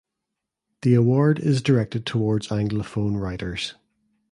The Award is directed towards Anglophone writers.